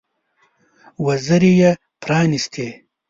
وزرې یې پرانيستې.